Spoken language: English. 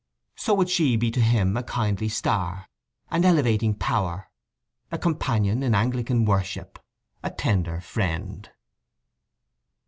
So would she be to him a kindly star, an elevating power, a companion in Anglican worship, a tender friend.